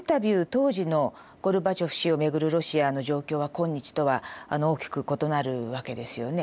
当時のゴルバチョフ氏をめぐるロシアの状況は今日とは大きく異なるわけですよね。